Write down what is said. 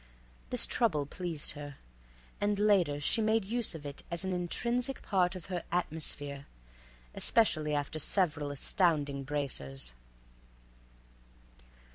This trouble pleased her, and later she made use of it as an intrinsic part of her atmosphere—especially after several astounding bracers.